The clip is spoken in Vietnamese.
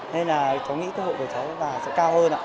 nên là có nghĩa cơ hội của cháu là sẽ cao hơn